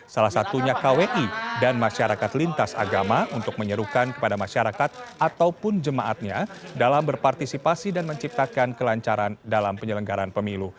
salah satunya kwi dan masyarakat lintas agama untuk menyerukan kepada masyarakat ataupun jemaatnya dalam berpartisipasi dan menciptakan kelancaran dalam penyelenggaran pemilu